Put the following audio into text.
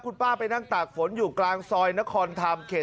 คุณป้าไปนั่งตากฝนอยู่กลางซอยนครธรรมเขต